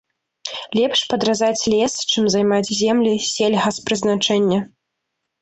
Лепш падразаць лес, чым займаць землі сельгаспрызначэння.